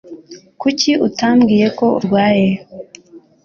Kuki utambwiye ko urwaye